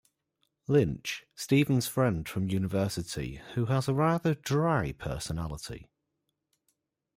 Lynch - Stephen's friend from university who has a rather dry personality.